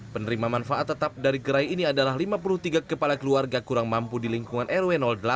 penerima manfaat tetap dari gerai ini adalah lima puluh tiga kepala keluarga kurang mampu di lingkungan rw delapan